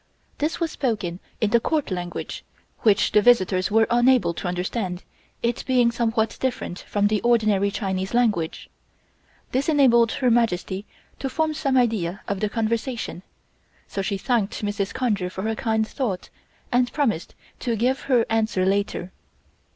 This was spoken in the Court language, which the visitors were unable to understand, it being somewhat different from the ordinary Chinese language. This enabled Her Majesty to form some idea of the conversation, so she thanked Mrs. Conger for her kind thought, and promised to give her answer later.